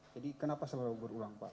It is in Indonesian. jadi kenapa selalu berulang pak